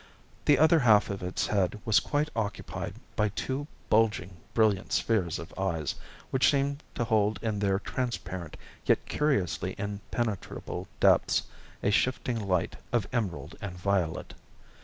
The other half of its head was quite occupied by two bulging, brilliant spheres of eyes, which seemed to hold in their transparent yet curiously impenetrable depths a shifting light of emerald and violet.